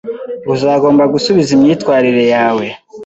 Uzagomba gusubiza imyitwarire yawe.